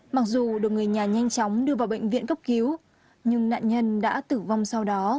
mặc dù được người nhà nhanh chóng đưa vào bệnh viện cấp cứu nhưng nạn nhân đã tử vong sau đó